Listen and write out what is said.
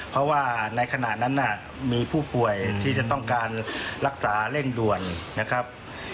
เพราะว่าในขณะนั้นมีผู้ป่วยที่จะต้องการรักษาเร่งด่วนนะครับ